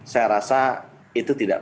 saya rasa itu tidak